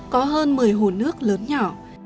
có hơn một mươi hồ nước lớn nhỏ